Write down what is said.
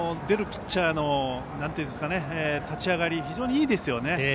出るピッチャーの立ち上がりも非常にいいですよね。